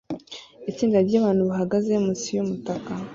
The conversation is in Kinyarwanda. Itsinda ryabantu bahagaze munsi yumutaka